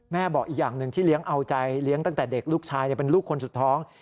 บอกอีกอย่างหนึ่งที่เลี้ยงเอาใจเลี้ยงตั้งแต่เด็กลูกชายเป็นลูกคนสุดท้อง